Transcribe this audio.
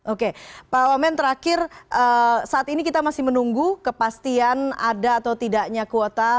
oke pak wamen terakhir saat ini kita masih menunggu kepastian ada atau tidaknya kuota